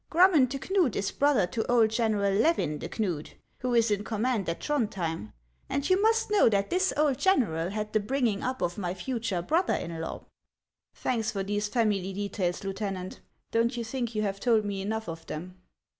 Grummond de Kuud is brother to old General Levin de Knud, who is in command at Throndhjem, and you must know that this old general had the bringing up of my future brother in law." " Thanks for these family details, Lieutenant. Don't you think you have told me enough of them?"